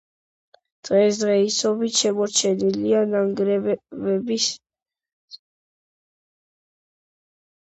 დღესდღეობით შემორჩენილია ნანგრევების სახით.